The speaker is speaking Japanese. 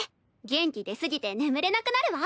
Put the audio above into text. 元気出過ぎて眠れなくなるわ。